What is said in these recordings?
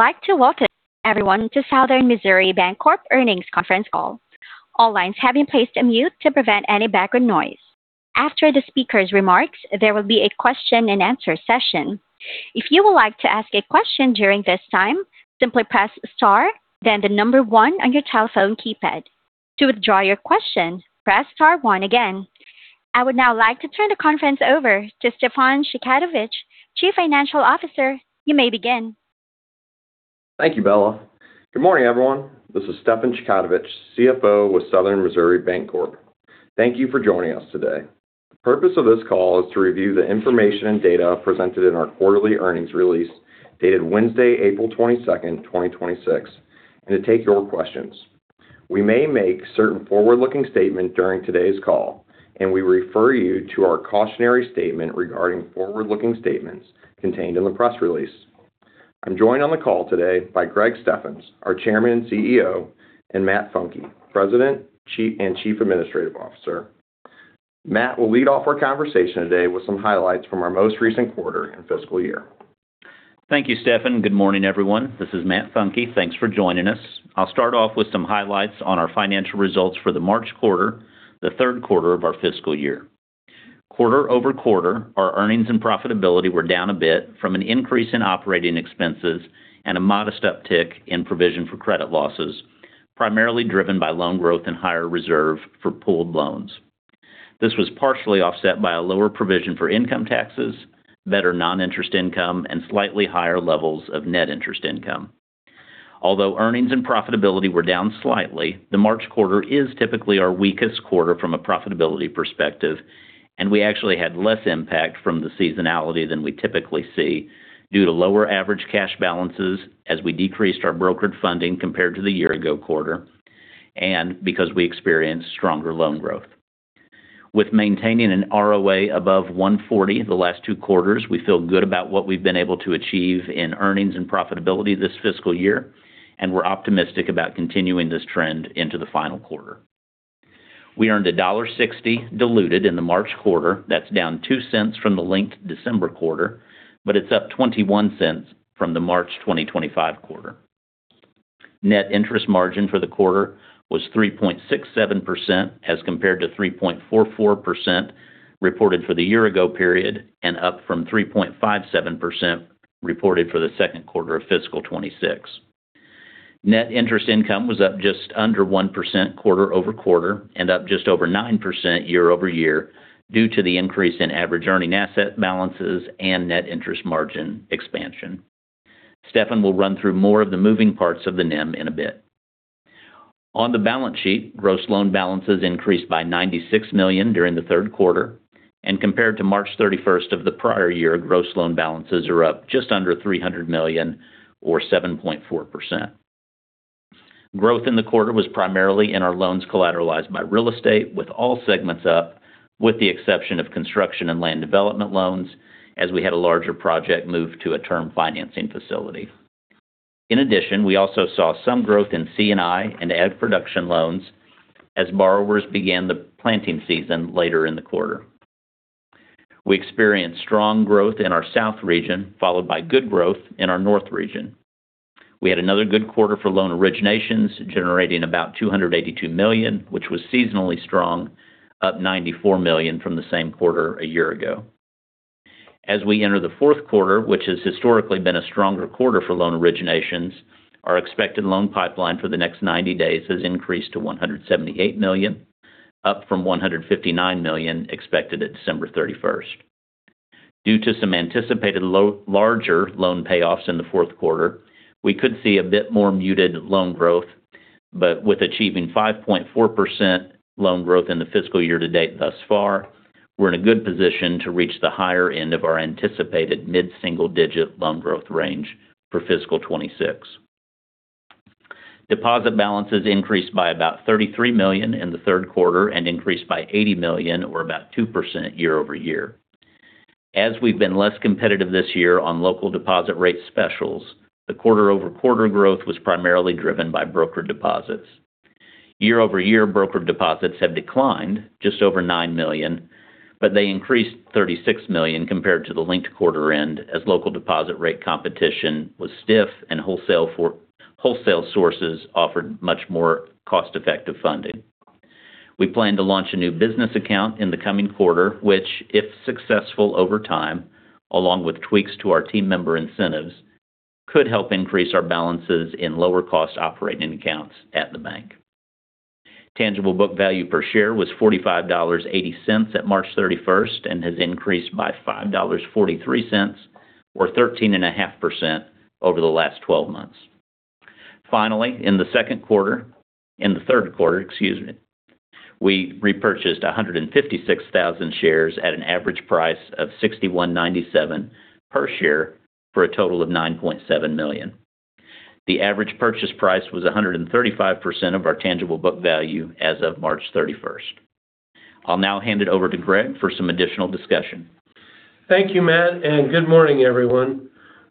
I'd like to welcome everyone to Southern Missouri Bancorp Earnings Conference Call. All lines have been placed on mute to prevent any background noise. After the speaker's remarks, there will be a question-and-answer session. If you would like to ask a question during this time, simply press star, then the number one on your telephone keypad. To withdraw your question, press star one again. I would now like to turn the conference over to Stefan Chkautovich, Chief Financial Officer. You may begin. Thank you, Bella. Good morning, everyone. This is Stefan Chkautovich, CFO with Southern Missouri Bancorp. Thank you for joining us today. The purpose of this call is to review the information and data presented in our quarterly earnings release dated Wednesday, April 22nd, 2026, and to take your questions. We may make certain forward-looking statements during today's call, and we refer you to our cautionary statement regarding forward-looking statements contained in the press release. I'm joined on the call today by Greg Steffens, our Chairman and CEO, and Matt Funke, President and Chief Administrative Officer. Matt will lead off our conversation today with some highlights from our most recent quarter and fiscal year. Thank you, Stefan. Good morning, everyone. This is Matt Funke. Thanks for joining us. I'll start off with some highlights on our financial results for the March quarter, the third quarter of our fiscal year. Quarter-over-quarter, our earnings and profitability were down a bit from an increase in operating expenses and a modest uptick in provision for credit losses, primarily driven by loan growth and higher reserve for pooled loans. This was partially offset by a lower provision for income taxes, better non-interest income, and slightly higher levels of net interest income. Although earnings and profitability were down slightly, the March quarter is typically our weakest quarter from a profitability perspective, and we actually had less impact from the seasonality than we typically see due to lower average cash balances as we decreased our brokered funding compared to the year-ago quarter, and because we experienced stronger loan growth. While maintaining an ROA above 1.40% the last two quarters, we feel good about what we've been able to achieve in earnings and profitability this fiscal year, and we're optimistic about continuing this trend into the final quarter. We earned $1.60 diluted in the March quarter. That's down $0.02 from the linked December quarter, but it's up $0.21 from the March 2025 quarter. Net interest margin for the quarter was 3.67% as compared to 3.44% reported for the year-ago period and up from 3.57% reported for the second quarter of fiscal 2026. Net interest income was up just under 1% quarter-over-quarter and up just over 9% year-over-year due to the increase in average earning asset balances and net interest margin expansion. Stefan will run through more of the moving parts of the NIM in a bit. On the balance sheet, gross loan balances increased by $96 million during the third quarter, and compared to March 31st of the prior year, gross loan balances are up just under $300 million or 7.4%. Growth in the quarter was primarily in our loans collateralized by real estate, with all segments up with the exception of construction and land development loans, as we had a larger project move to a term financing facility. In addition, we also saw some growth in C&I and ag production loans as borrowers began the planting season later in the quarter. We experienced strong growth in our South region, followed by good growth in our North region. We had another good quarter for loan originations, generating about $282 million, which was seasonally strong, up $94 million from the same quarter a year ago. As we enter the fourth quarter, which has historically been a stronger quarter for loan originations, our expected loan pipeline for the next 90 days has increased to $178 million, up from $159 million expected at December 31st. Due to some anticipated larger loan payoffs in the fourth quarter, we could see a bit more muted loan growth, but with achieving 5.4% loan growth in the fiscal year to date thus far, we're in a good position to reach the higher end of our anticipated mid-single-digit loan growth range for fiscal 2026. Deposit balances increased by about $33 million in the third quarter and increased by $80 million or about 2% year-over-year. As we've been less competitive this year on local deposit rate specials, the quarter-over-quarter growth was primarily driven by brokered deposits. Year-over-year, brokered deposits have declined just over $9 million, but they increased $36 million compared to the linked quarter-end as local deposit rate competition was stiff and wholesale sources offered much more cost-effective funding. We plan to launch a new business account in the coming quarter, which, if successful over time, along with tweaks to our team member incentives, could help increase our balances in lower-cost operating accounts at the bank. Tangible book value per share was $45.80 at March 31st and has increased by $5.43, or 13.5%, over the last 12 months. Finally, in the second quarter, in the third quarter, excuse me, we repurchased 156,000 shares at an average price of $61.97 per share for a total of $9.7 million. The average purchase price was 135% of our tangible book value as of March 31st. I'll now hand it over to Greg for some additional discussion. Thank you, Matt, and good morning, everyone.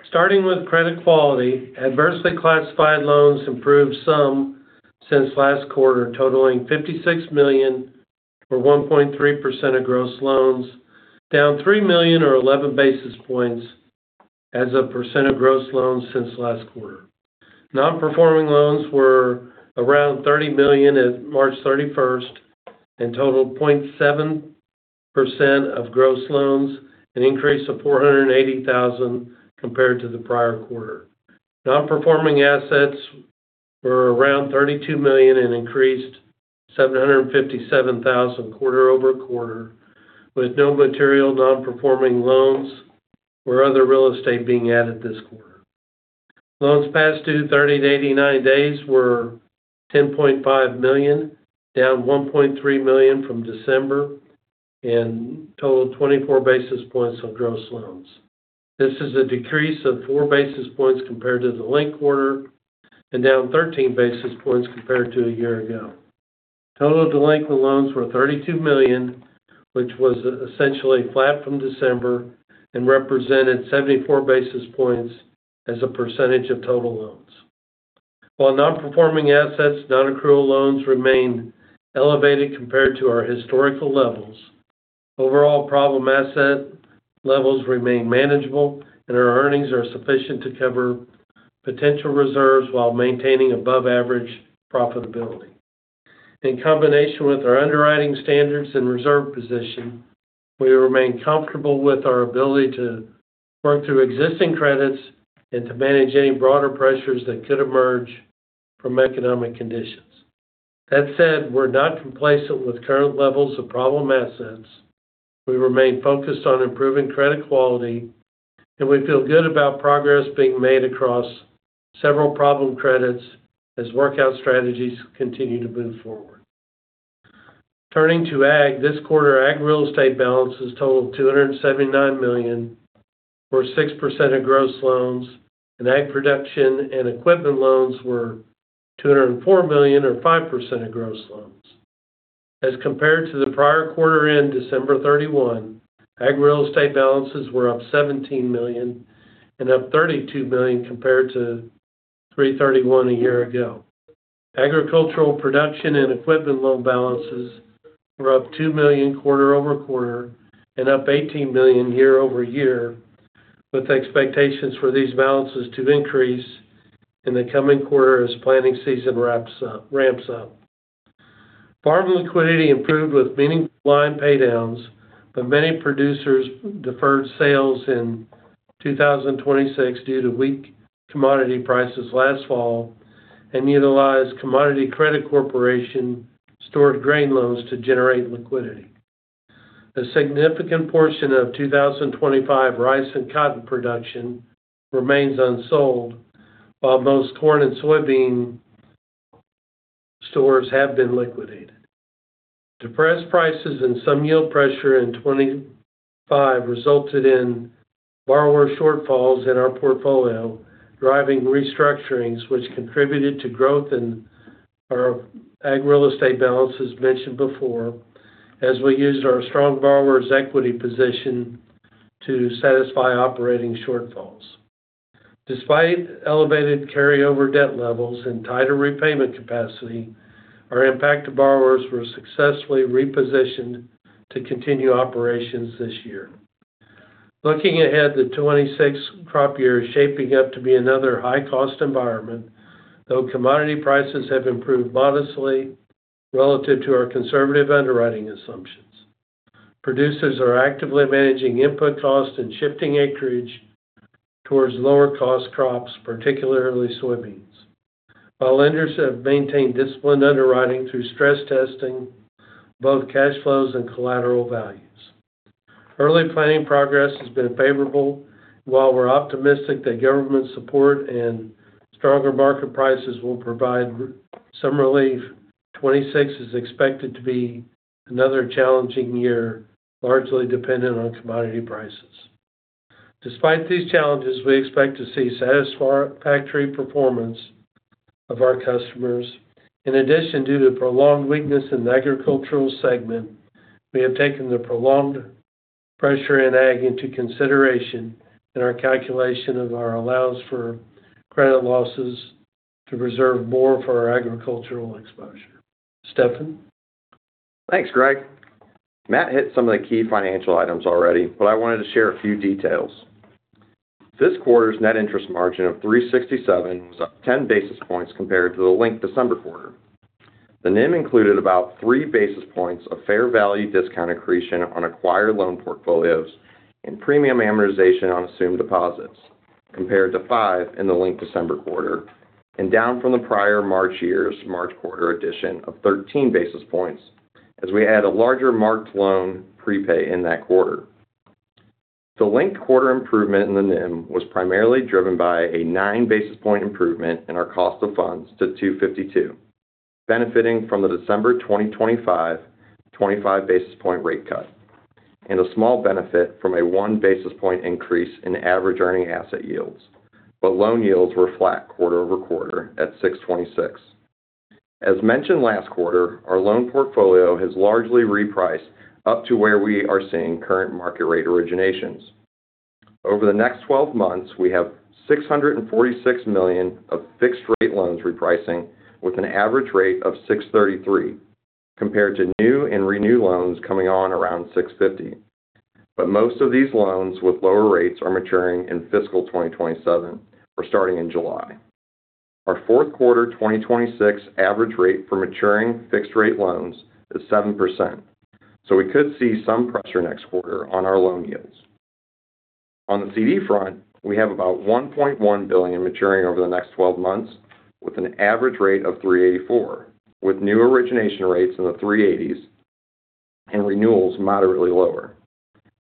Starting with credit quality, adversely classified loans improved some since last quarter, totaling $56 million for 1.3% of gross loans, down $3 million or 11 basis points as a percent of gross loans since last quarter. Non-performing loans were around $30 million at March 31st and totaled 0.7% of gross loans, an increase of $480,000 compared to the prior quarter. Non-performing assets were around $32 million and increased $757,000 quarter-over-quarter, with no material non-performing loans or other real estate being added this quarter. Loans past due 30 to 89 days were $10.5 million, down $1.3 million from December and totaled 24 basis points of gross loans. This is a decrease of four basis points compared to the linked quarter and down 13 basis points compared to a year ago. Total delinquent loans were $32 million, which was essentially flat from December and represented 74 basis points as a percentage of total loans. While Non-Performing Assets, non-accrual loans remain elevated compared to our historical levels, overall problem asset levels remain manageable, and our earnings are sufficient to cover potential reserves while maintaining above-average profitability. In combination with our underwriting standards and reserve position, we remain comfortable with our ability to work through existing credits and to manage any broader pressures that could emerge from economic conditions. That said, we're not complacent with current levels of problem assets. We remain focused on improving credit quality, and we feel good about progress being made across several problem credits as workout strategies continue to move forward. Turning to ag. This quarter, ag real estate balances totaled $279 million, or 6% of gross loans, and ag production and equipment loans were $204 million, or 5% of gross loans. As compared to the prior quarter end, December 31, ag real estate balances were up $17 million and up $32 million compared to 3/31 a year ago. Agricultural production and equipment loan balances were up $2 million quarter over quarter and up $18 million year-over-year, with expectations for these balances to increase in the coming quarter as planting season ramps up. Farm liquidity improved with many line paydowns, but many producers deferred sales in 2026 due to weak commodity prices last fall and utilized Commodity Credit Corporation stored grain loans to generate liquidity. A significant portion of 2025 rice and cotton production remains unsold, while most corn and soybean stores have been liquidated. Depressed prices and some yield pressure in 2025 resulted in borrower shortfalls in our portfolio, driving restructurings, which contributed to growth in our ag real estate balance as mentioned before, as we used our strong borrowers' equity position to satisfy operating shortfalls. Despite elevated carryover debt levels and tighter repayment capacity, our impacted borrowers were successfully repositioned to continue operations this year. Looking ahead, the 2026 crop year is shaping up to be another high-cost environment, though commodity prices have improved modestly relative to our conservative underwriting assumptions. Producers are actively managing input costs and shifting acreage towards lower-cost crops, particularly soybeans. While lenders have maintained disciplined underwriting through stress testing, both cash flows and collateral values. Early planning progress has been favorable. While we're optimistic that government support and stronger market prices will provide some relief, 2026 is expected to be another challenging year, largely dependent on commodity prices. Despite these challenges, we expect to see satisfactory performance of our customers. In addition, due to prolonged weakness in the agricultural segment, we have taken the prolonged pressure in ag into consideration in our calculation of our allowance for credit losses to reserve more for our agricultural exposure. Stefan? Thanks, Greg. Matt hit some of the key financial items already, but I wanted to share a few details. This quarter's net interest margin of 3.67% was up 10 basis points compared to the linked December quarter. The NIM included about three basis points of fair value discount accretion on acquired loan portfolios and premium amortization on assumed deposits, compared to five in the linked December quarter and down from the prior March year's March quarter addition of 13 basis points, as we had a larger marked loan prepay in that quarter. The linked quarter improvement in the NIM was primarily driven by a nine basis point improvement in our cost of funds to 2.52%, benefiting from the December 2025, 25 basis point rate cut and a small benefit from a one basis point increase in average earning asset yields. Loan yields were flat quarter over quarter at 6.26%. As mentioned last quarter, our loan portfolio has largely repriced up to where we are seeing current market rate originations. Over the next 12 months, we have $646 million of fixed-rate loans repricing with an average rate of 6.33%, compared to new and renew loans coming on around 6.50%. Most of these loans with lower rates are maturing in fiscal 2027 or starting in July. Our fourth quarter 2026 average rate for maturing fixed-rate loans is 7%, so we could see some pressure next quarter on our loan yields. On the CD front, we have about $1.1 billion maturing over the next 12 months with an average rate of 3.84%, with new origination rates in the 3.80s and renewals moderately lower.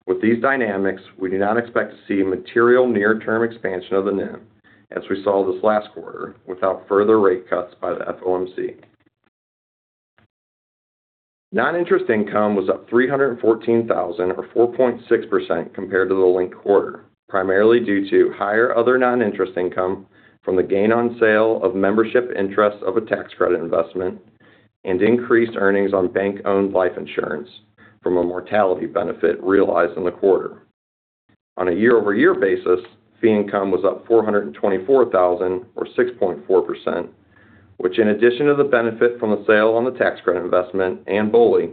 With these dynamics, we do not expect to see material near-term expansion of the NIM, as we saw this last quarter, without further rate cuts by the FOMC. Non-interest income was up $314,000, or 4.6%, compared to the linked quarter, primarily due to higher other non-interest income from the gain on sale of membership interest of a tax credit investment and increased earnings on bank-owned life insurance from a mortality benefit realized in the quarter. On a year-over-year basis, fee income was up $424,000 or 6.4%, which in addition to the benefit from the sale on the tax credit investment and BOLI,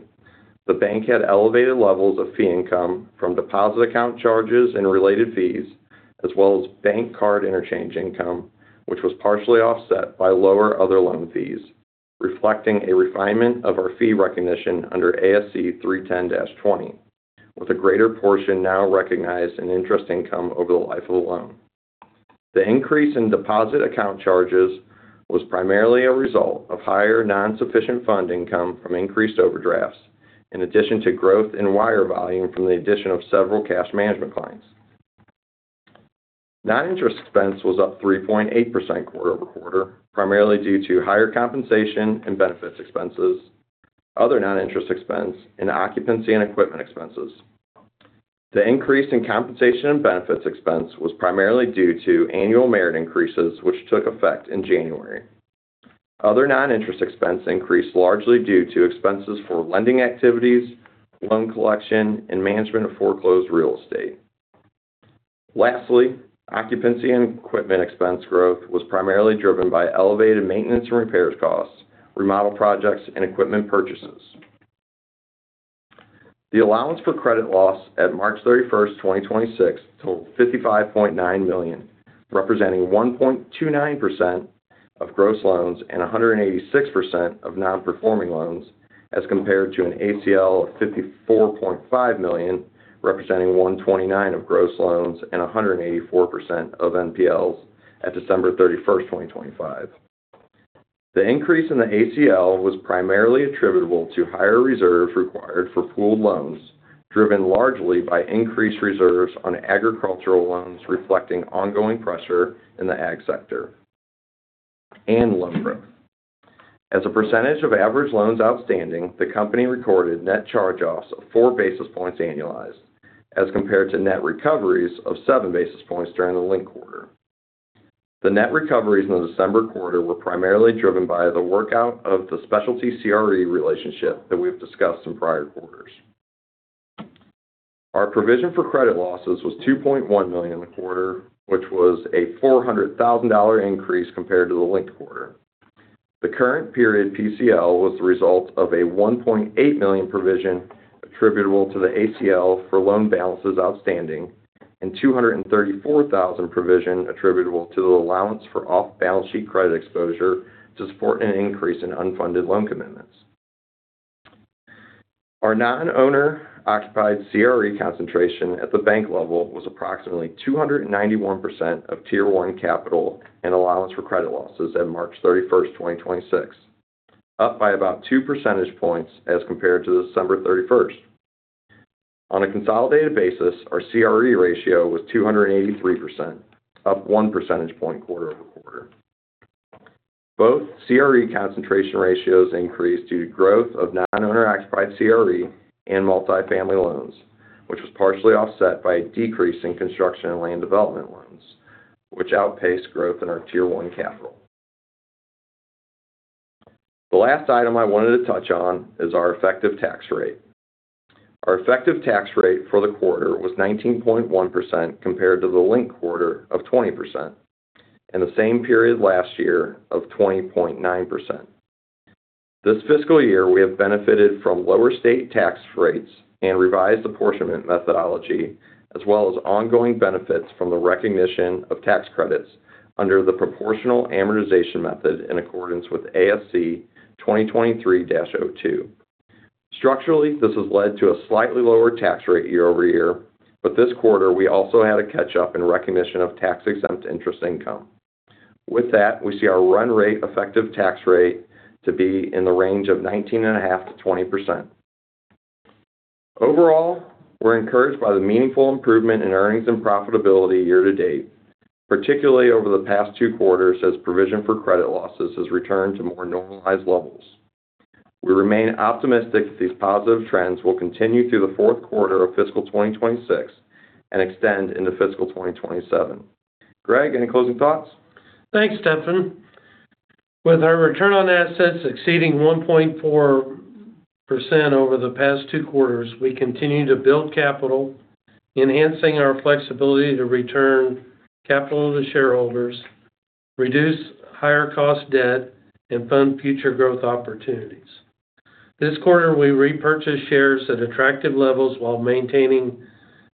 the bank had elevated levels of fee income from deposit account charges and related fees, as well as bank card interchange income, which was partially offset by lower other loan fees, reflecting a refinement of our fee recognition under ASC 310-20, with a greater portion now recognized in interest income over the life of the loan. The increase in deposit account charges was primarily a result of higher non-sufficient fund income from increased overdrafts, in addition to growth in wire volume from the addition of several cash management clients. Non-interest expense was up 3.8% quarter-over-quarter, primarily due to higher compensation and benefits expenses, other non-interest expense and occupancy and equipment expenses. The increase in compensation and benefits expense was primarily due to annual merit increases, which took effect in January. Other non-interest expense increased largely due to expenses for lending activities, loan collection and management of foreclosed real estate. Lastly, occupancy and equipment expense growth was primarily driven by elevated maintenance and repairs costs, remodel projects and equipment purchases. The allowance for credit loss at March 31st, 2026, totaled $55.9 million, representing 1.29% of gross loans and 186% of non-performing loans, as compared to an ACL of $54.5 million, representing 1.29% of gross loans and 184% of NPLs at December 31st, 2025. The increase in the ACL was primarily attributable to higher reserves required for pooled loans, driven largely by increased reserves on agricultural loans, reflecting ongoing pressure in the ag sector and loan growth. As a percentage of average loans outstanding, the company recorded net charge-offs of four basis points annualized as compared to net recoveries of seven basis points during the linked quarter. The net recoveries in the December quarter were primarily driven by the workout of the specialty CRE relationship that we've discussed in prior quarters. Our provision for credit losses was $2.1 million in the quarter, which was a $400,000 increase compared to the linked quarter. The current period PCL was the result of a $1.8 million provision attributable to the ACL for loan balances outstanding and $234,000 provision attributable to the allowance for off-balance sheet credit exposure to support an increase in unfunded loan commitments. Our non-owner occupied CRE concentration at the bank level was approximately 291% of Tier 1 capital and allowance for credit losses at March 31st, 2026, up by about two percentage points as compared to December 31st. On a consolidated basis, our CRE ratio was 283%, up one percentage point quarter-over-quarter. Both CRE concentration ratios increased due to growth of non-owner occupied CRE and multifamily loans, which was partially offset by a decrease in construction and land development loans, which outpaced growth in our Tier 1 capital. The last item I wanted to touch on is our effective tax rate. Our effective tax rate for the quarter was 19.1% compared to the linked quarter of 20%, and the same period last year of 20.9%. This fiscal year, we have benefited from lower state tax rates and revised apportionment methodology, as well as ongoing benefits from the recognition of tax credits under the proportional amortization method in accordance with ASU 2023-02. Structurally, this has led to a slightly lower tax rate year-over-year, but this quarter, we also had a catch up in recognition of tax-exempt interest income. With that, we see our run rate effective tax rate to be in the range of 19.5%-20%. Overall, we're encouraged by the meaningful improvement in earnings and profitability year to date, particularly over the past two quarters as provision for credit losses has returned to more normalized levels. We remain optimistic that these positive trends will continue through the fourth quarter of fiscal 2026 and extend into fiscal 2027. Greg, any closing thoughts? Thanks, Stefan. With our return on assets exceeding 1.4% over the past two quarters, we continue to build capital, enhancing our flexibility to return capital to shareholders, reduce higher cost debt, and fund future growth opportunities. This quarter, we repurchased shares at attractive levels while maintaining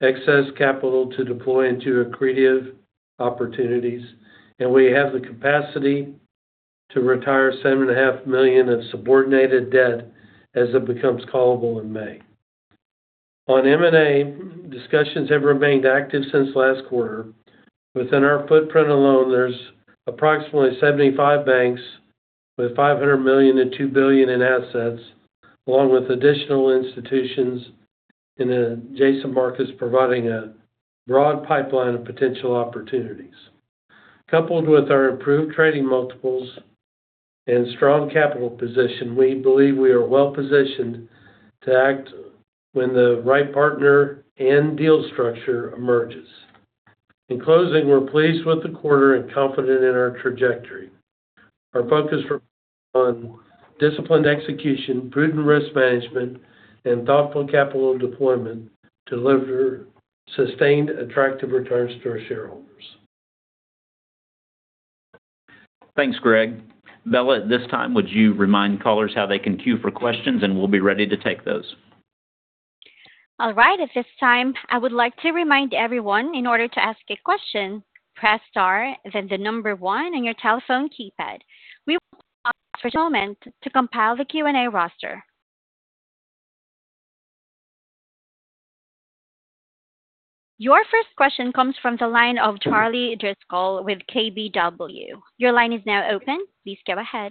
excess capital to deploy into accretive opportunities, and we have the capacity to retire $7.5 million of subordinated debt as it becomes callable in May. On M&A, discussions have remained active since last quarter. Within our footprint alone, there's approximately 75 banks with $500 million-$2 billion in assets, along with additional institutions in adjacent markets, providing a broad pipeline of potential opportunities. Coupled with our improved trading multiples and strong capital position, we believe we are well-positioned to act when the right partner and deal structure emerges. In closing, we're pleased with the quarter and confident in our trajectory. Our focus remains on disciplined execution, prudent risk management, and thoughtful capital deployment to deliver sustained attractive returns to our shareholders. Thanks, Greg. Bella, at this time, would you remind callers how they can queue for questions, and we'll be ready to take those. All right. At this time, I would like to remind everyone, in order to ask a question, press star, then the number one on your telephone keypad. We will pause for just a moment to compile the Q&A roster. Your first question comes from the line of Charlie Driscoll with KBW. Your line is now open. Please go ahead.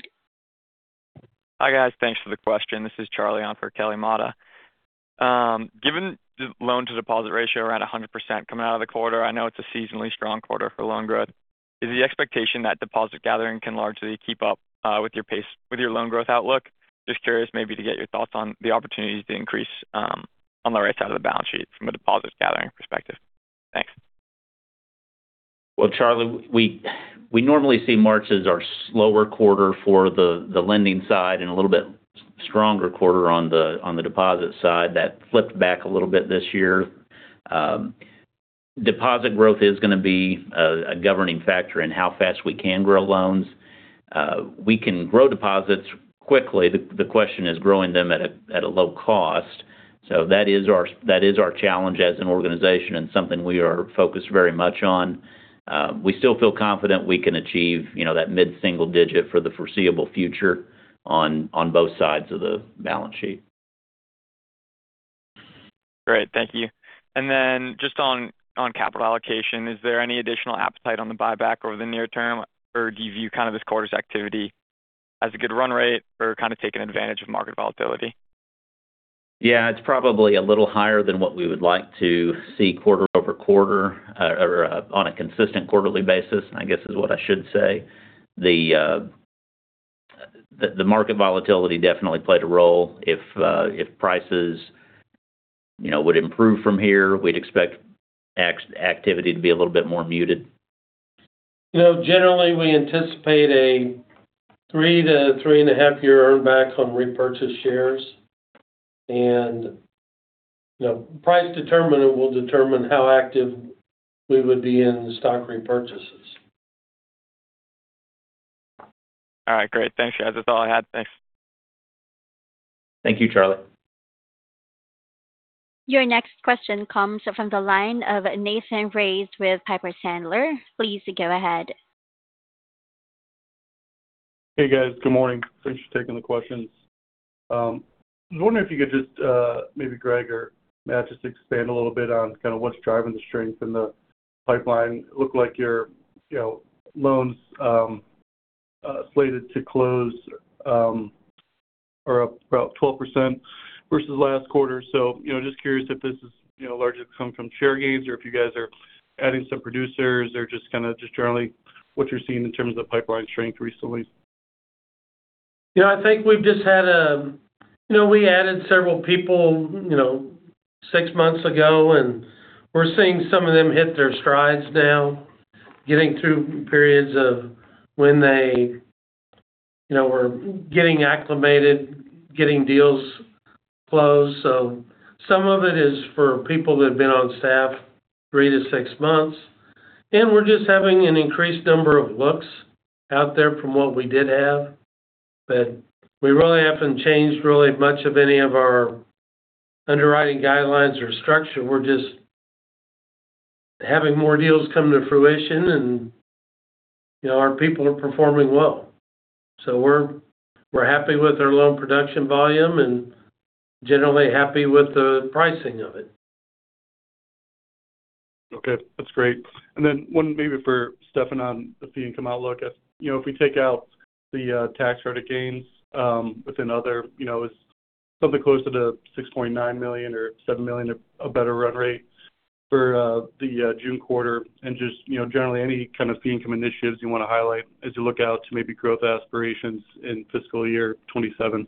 Hi, guys. Thanks for the question. This is Charlie on for Kelly Motta. Given the loan-to-deposit ratio around 100% coming out of the quarter, I know it's a seasonally strong quarter for loan growth. Is the expectation that deposit gathering can largely keep up with your loan growth outlook? Just curious maybe to get your thoughts on the opportunities to increase on the right side of the balance sheet from a deposit gathering perspective. Thanks. Well, Charlie, we normally see March as our slower quarter for the lending side and a little bit stronger quarter on the deposit side. That flipped back a little bit this year. Deposit growth is gonna be a governing factor in how fast we can grow loans. We can grow deposits quickly. The question is growing them at a low cost. That is our challenge as an organization and something we are focused very much on. We still feel confident we can achieve that mid-single digit for the foreseeable future on both sides of the balance sheet. Great. Thank you. Just on capital allocation, is there any additional appetite on the buyback over the near term? Or do you view this quarter's activity as a good run rate or kind of taking advantage of market volatility? Yeah, it's probably a little higher than what we would like to see quarter-over-quarter or on a consistent quarterly basis, I guess is what I should say. The market volatility definitely played a role. If prices would improve from here, we'd expect activity to be a little bit more muted. Generally, we anticipate a three to 3.5-year earn back on repurchased shares. Price will determine how active we would be in the stock repurchases. All right, great. Thanks, guys. That's all I had. Thanks. Thank you, Charlie. Your next question comes from the line of Nathan Race with Piper Sandler. Please go ahead. Hey, guys. Good morning. Thanks for taking the questions. I was wondering if you could just, maybe Greg or Matt, just expand a little bit on kind of what's driving the strength in the pipeline. It looked like your loans slated to close are up about 12% versus last quarter. Just curious if this is largely coming from share gains or if you guys are adding some producers or just kind of generally what you're seeing in terms of pipeline strength recently. We added several people six months ago, and we're seeing some of them hit their strides now, getting through periods of when they were getting acclimated, getting deals closed. Some of it is for people that have been on staff three to six months, and we're just having an increased number of looks out there from what we did have. We really haven't changed really much of any of our underwriting guidelines or structure. We're just having more deals come to fruition, and our people are performing well. We're happy with our loan production volume and generally happy with the pricing of it. Okay, that's great. Then one maybe for Stefan on the fee income outlook. If we take out the tax credit gains within other, it's something closer to $6.9 million or $7 million of better run rate for the June quarter. Just generally, any kind of fee income initiatives you want to highlight as you look out to maybe growth aspirations in fiscal year 2027?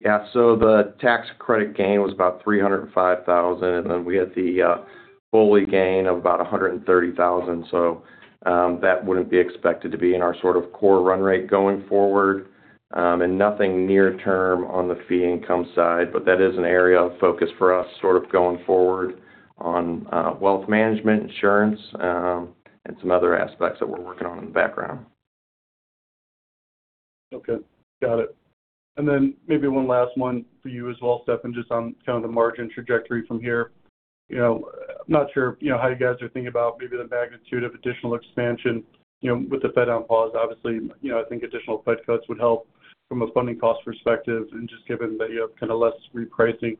Yeah. The tax credit gain was about $305,000 and then we had the full gain of about $130,000. That wouldn't be expected to be in our sort of core run rate going forward. Nothing near term on the fee income side. That is an area of focus for us sort of going forward on wealth management, insurance, and some other aspects that we're working on in the background. Okay, got it. Then maybe one last one for you as well, Stefan, just on kind of the margin trajectory from here. I'm not sure how you guys are thinking about maybe the magnitude of additional expansion, with the Fed on pause, obviously, I think additional Fed cuts would help from a funding cost perspective and just given that you have kind of less repricing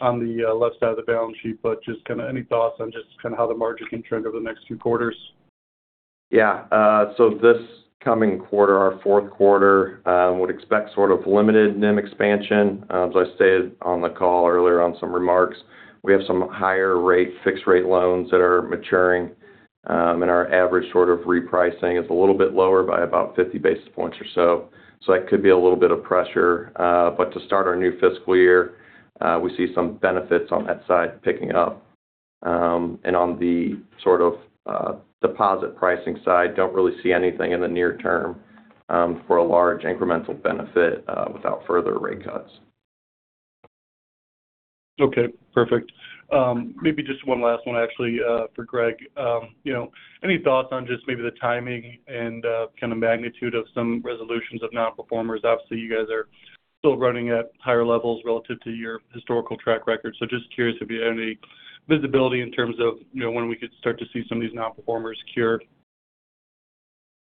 on the left side of the balance sheet. Just kind of any thoughts on just kind of how the margin can trend over the next few quarters? Yeah. This coming quarter, our fourth quarter, would expect sort of limited NIM expansion. As I stated on the call earlier on some remarks, we have some higher-rate, fixed-rate loans that are maturing, and our average sort of repricing is a little bit lower by about 50 basis points or so. That could be a little bit of pressure. To start our new fiscal year, we see some benefits on that side picking up. On the sort of deposit pricing side, don't really see anything in the near term for a large incremental benefit without further rate cuts. Okay, perfect. Maybe just one last one actually for Greg. Any thoughts on just maybe the timing and kind of magnitude of some resolutions of non-performers? Obviously, you guys are still running at higher levels relative to your historical track record. Just curious if you have any visibility in terms of when we could start to see some of these non-performers cure?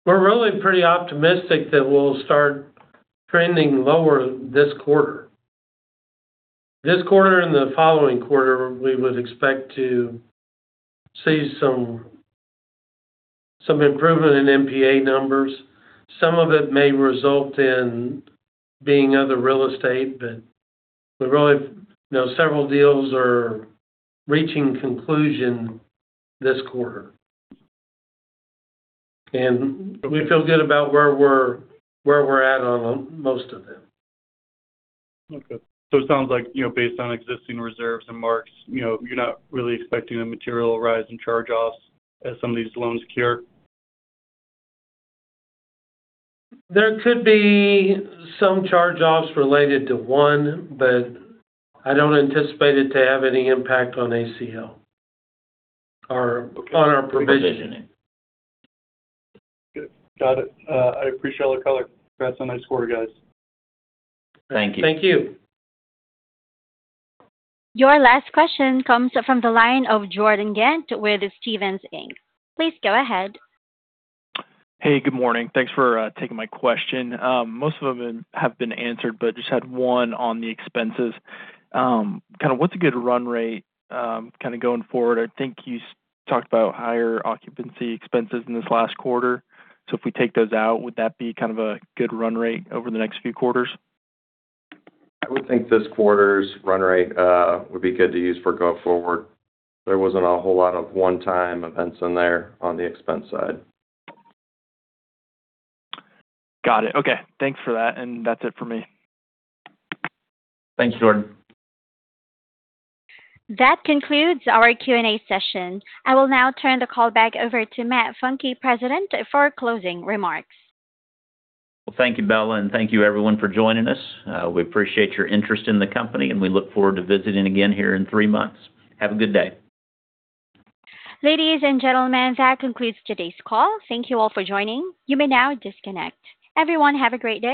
We're really pretty optimistic that we'll start trending lower this quarter. This quarter and the following quarter, we would expect to see some improvement in NPA numbers. Some of it may result in being other real estate, but several deals are reaching conclusion this quarter. We feel good about where we're at on most of them. Okay. It sounds like, based on existing reserves and marks, you're not really expecting a material rise in charge-offs as some of these loans cure. There could be some charge-offs related to one, but I don't anticipate it to have any impact on ACL or on our provisioning. Good. Got it. I appreciate all the color. Congrats on the nice quarter, guys. Thank you. Thank you. Your last question comes from the line of Jordan Ghent with Stephens Inc. Please go ahead. Hey, good morning. Thanks for taking my question. Most of them have been answered, but I just had one on the expenses. Kind of what's a good run rate kind of going forward? I think you talked about higher occupancy expenses in this last quarter. If we take those out, would that be kind of a good run rate over the next few quarters? I would think this quarter's run rate would be good to use for going forward. There wasn't a whole lot of one-time events in there on the expense side. Got it. Okay. Thanks for that, and that's it for me. Thanks, Jordan. That concludes our Q&A session. I will now turn the call back over to Matt Funke, President, for closing remarks. Well, thank you, Bella, and thank you everyone for joining us. We appreciate your interest in the company, and we look forward to visiting again here in three months. Have a good day. Ladies and gentlemen, that concludes today's call. Thank you all for joining. You may now disconnect. Everyone, have a great day.